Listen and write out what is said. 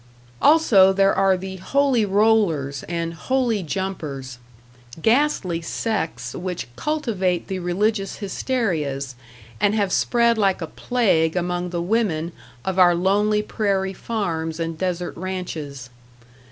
Also there are the "Holy Rollers" and "Holy Jumpers", ghastly sects which cultivate the religious hysterias, and have spread like a plague among the women of our lonely prairie farms and desert ranches.